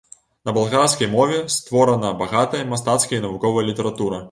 На балгарскай мове створана багатая мастацкая і навуковая літаратура.